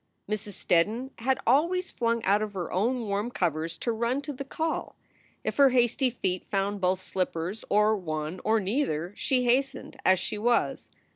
Mrs. Steddon had always flung out of her own warm covers to run to the call. If her hasty feet found both her slippers or one or neither, she hastened as she was.